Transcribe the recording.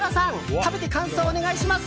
食べて感想をお願いします。